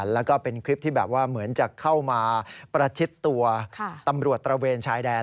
แล้วก็เป็นคลิปที่แบบว่าเหมือนจะเข้ามาประชิดตัวตำรวจตระเวนชายแดน